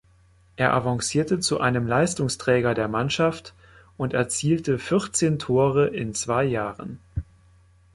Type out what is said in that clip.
Er avancierte zu einem Leistungsträger der Mannschaft und erzielte vierzehn Tore in zwei Jahren.